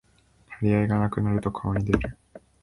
張り合いがなくなると顔に出る